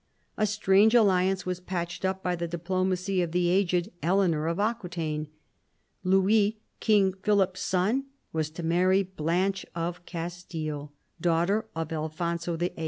A strange alliance was patched up by the diplomacy of the aged Eleanor of Aquitaine. Louis, King Philip's son, was to marry Blanche of Castile, daughter of Alfonso VIII.